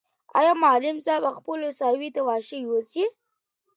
آیا معلم صاحب به خپلو څارویو ته دا واښه یوسي؟